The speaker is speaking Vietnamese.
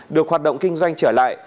được hoạt động kinh doanh trở lại